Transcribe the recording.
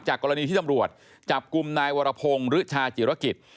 กรณีที่ตำรวจจับกลุ่มนายวรพงศ์หรือชาจิรกิจ